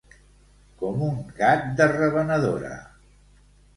Com un gat de revenedora.